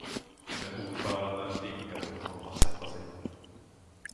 Men ordföranden vinkade åt honom att sätta sig igen.